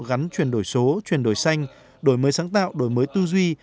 gắn chuyển đổi số chuyển đổi xanh đổi mới sáng tạo đổi mới tư duy